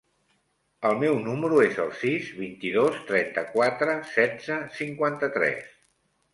El meu número es el sis, vint-i-dos, trenta-quatre, setze, cinquanta-tres.